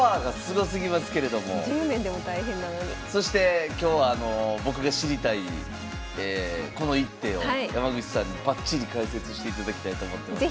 そして今日は僕が知りたい「この一手」を山口さんにバッチリ解説していただきたいと思ってますので。